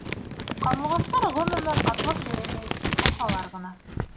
Ҡарлуғастар, ғөмүмән, атлап йөрөмәй, осалар ғына.